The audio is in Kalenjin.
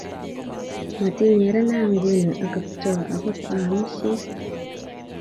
matinyerena nguni ako Kiptooo akot aamisie